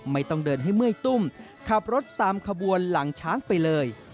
ไม่ต้องเดินให้เมื่อยตุ้มขับรถตามขบวนหลังช้างไปเลย